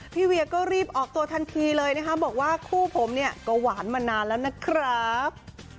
เวียก็รีบออกตัวทันทีเลยนะคะบอกว่าคู่ผมเนี่ยก็หวานมานานแล้วนะครับ